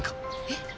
えっ？